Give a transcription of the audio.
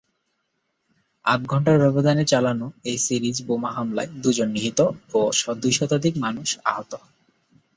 আধ ঘণ্টার ব্যবধানে চালানো এ সিরিজ বোমা হামলায় দু’জন নিহত ও দুই শতাধিক মানুষ আহত হন।